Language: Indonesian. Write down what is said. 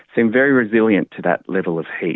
sangat berresilien terhadap wawasan panas